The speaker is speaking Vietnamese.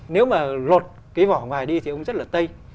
nếu mà lột cái vỏ ngoài đi thì ông rất là tây